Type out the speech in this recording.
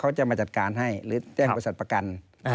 เขาจะมาจัดการให้หรือแจ้งบริษัทประกัน